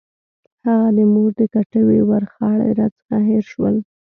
هغه د مور د کټوۍ ورخاړي راڅخه هېر شول.